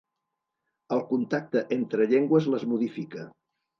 El contacte entre llengües les modifica.